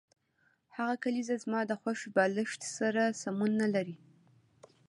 هغه کلیزه زما د خوښې بالښت سره سمون نلري